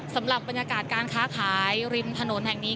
สำหรับบรรยากาศการค้าขายริมถนนแห่งนี้